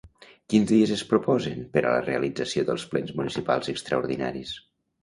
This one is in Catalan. Quins dies es proposen per a la realització dels plens municipals extraordinaris?